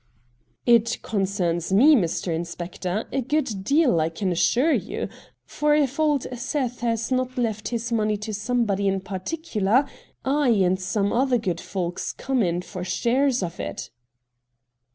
' It concerns me, Mr. Inspector, a good deal, I can assure you ; for if old Seth has not left his money to somebody in particular, I and some other good folks come in for shares of it.'